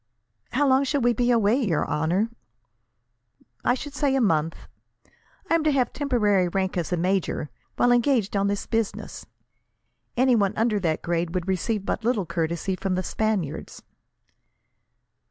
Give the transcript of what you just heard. "How long shall we be away, your honour?" "I should say, a month. I am to have temporary rank as major, while engaged on this business. Anyone under that grade would receive but little courtesy from the Spaniards."